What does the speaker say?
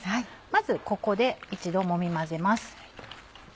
まずここで一度もみ混ぜます。